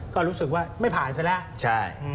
ก็รู้สึกว่าไม่ผ่านซะแล้ว